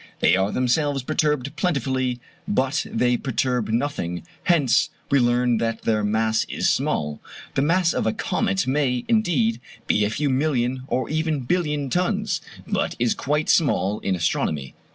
They are themselves perturbed plentifully, but they perturb nothing; hence we learn that their mass is small. The mass of a comet may, indeed, be a few million or even billion tons; but that is quite small in astronomy.